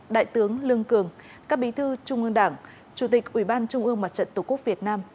đại tướng lương cường các bí thư trung ương đảng chủ tịch ủy ban trung ương mặt trận tổ quốc việt nam